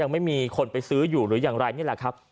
ไม่มีคนไปซื้ออยู่หรืออย่างไรนี่แหละครับ